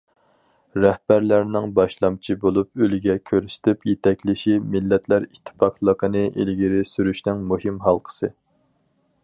رەھبەرلەرنىڭ باشلامچى بولۇپ، ئۈلگە كۆرسىتىپ يېتەكلىشى مىللەتلەر ئىتتىپاقلىقىنى ئىلگىرى سۈرۈشنىڭ مۇھىم ھالقىسى.